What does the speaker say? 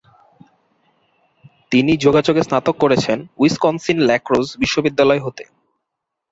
তিনি যোগাযোগে স্নাতক করেছেন উইসকনসিন-ল্যাক্রোজ বিশ্ববিদ্যালয়ে হতে।